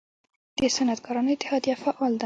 د صنعتکارانو اتحادیه فعال ده؟